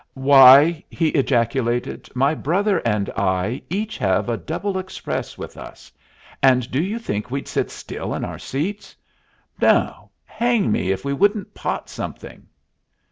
"Why," he ejaculated, "my brother and I each have a double express with us, and do you think we'd sit still in our seats? No. Hang me if we wouldn't pot something."